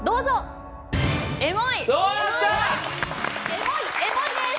エモいエモいです。